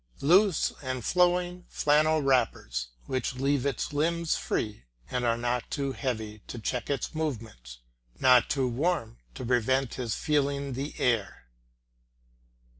Loose and flowing flannel wrappers, which leave its limbs free and are not too heavy to check his movements, not too warm to prevent his feeling the air.